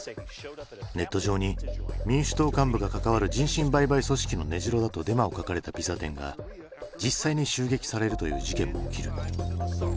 ネット上に民主党幹部が関わる人身売買組織の根城だとデマを書かれたピザ店が実際に襲撃されるという事件も起きる。